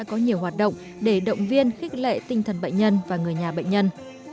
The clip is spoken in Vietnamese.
có nhiều hoạt động để động viên khích lệ tinh thần bệnh nhân và người nhà bệnh nhân